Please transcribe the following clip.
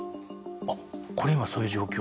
あっこれ今そういう状況？